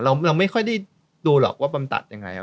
เราไม่ค่อยได้ดูหรอกว่าบำตัดยังไง